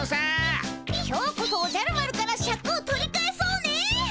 今日こそおじゃる丸からシャクを取り返そうね。